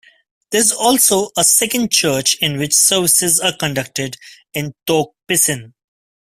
There is also a second church in which services are conducted in Tok Pisin.